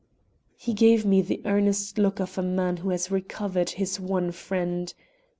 He gave me the earnest look of a man who has recovered his one friend.